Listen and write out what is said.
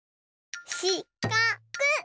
しかく。